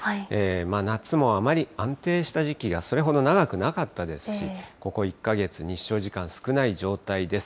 夏もあまり安定した時期がそれほど長くなかったですし、ここ１か月、日照時間少ない状態です。